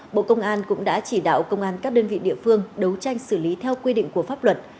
bộ công an cũng đã chỉ đạo công an các đơn vị địa phương đấu tranh xử lý theo quy định của pháp luật